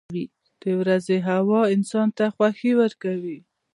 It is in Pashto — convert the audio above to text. • د ورځې هوا انسان ته خوښي ورکوي.